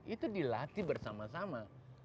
itu di latih bersama sama